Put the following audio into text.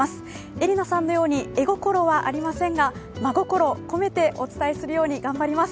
恵理那さんのように絵心はありませんが真心を込めてお伝えするように頑張ります。